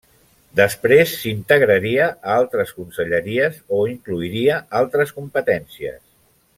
Després s'integraria a altres conselleries o inclouria altres competències.